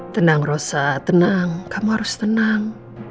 tenang rosa tenang kamu harus tenang